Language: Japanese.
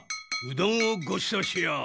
うどんをごちそうしよう。